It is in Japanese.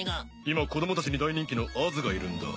今子供たちに大人気のＡｓがいるんだ。